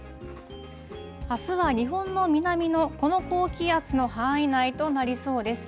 あすは日本の南のこの高気圧の範囲内となりそうです。